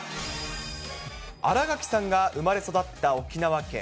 新垣さんが生まれ育った沖縄県。